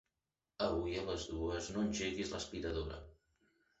Avui a les dues no engeguis l'aspiradora.